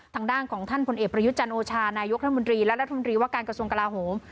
ทางด้านของท่านพลเอกประยุทธ์จันโอชานายกรัฐมนตรีและรัฐมนตรีว่าการกระทรวงกลาโหม